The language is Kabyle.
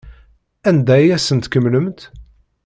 Anda ay asen-tkemmlemt?